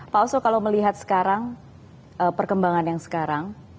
pak oso kalau melihat sekarang perkembangan yang sekarang